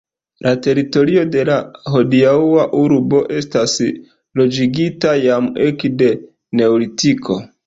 La teritorio de la hodiaŭa urbo estas loĝigita jam ekde neolitiko.